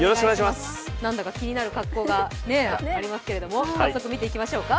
なんだか気になる格好がありますけど、早速見ていきましょうか。